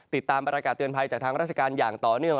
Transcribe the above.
ติดตามประกาศเตือนภัยจากทางราชการอย่างต่อเนื่อง